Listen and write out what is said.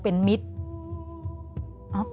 เป็นมิตร